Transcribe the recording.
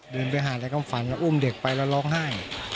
เดินไปหาในความฝันแล้วอุ้มเด็กไปแล้วร้องไห้